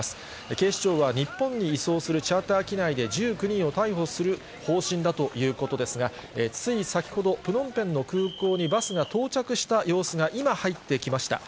警視庁は、日本に移送するチャーター機内で１９人を逮捕する方針だということですが、つい先ほど、プノンペンの空港にバスが到着した様子が、今、入ってきました。